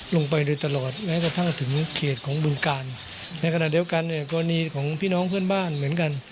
ลงไปโดยตลอดแม้กระทั่งถึงเขตของบึงการในขณะเดียวกันเนี่ยกรณีของพี่น้องเพื่อนบ้านเหมือนกัน